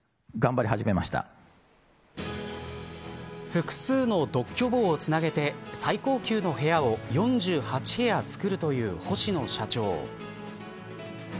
複数の独居房をつなげて最高級の部屋を４８部屋作るという星野社長。